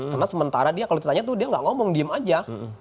karena sementara dia kalau ditanya tuh dia nggak ngomong diem aja